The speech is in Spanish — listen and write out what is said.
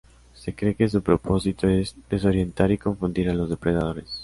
Se cree que su propósito es desorientar y confundir a los depredadores.